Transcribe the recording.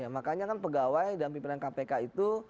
makanya kan pegawai dan pimpinan kpk itu